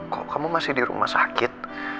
kok kamu masih di rumah sakit